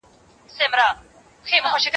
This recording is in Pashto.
زه اوس د ښوونځي کتابونه مطالعه کوم؟!